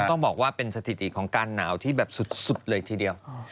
ต้องบอกว่าเป็นสถิติของการหนาวที่แบบสุดเลยทีเดียว